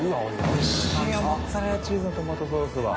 おいしいよモッツァレラチーズのトマトソースは。